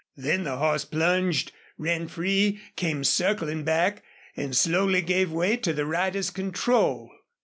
Then the horse plunged, ran free, came circling back, and slowly gave way to the rider's control.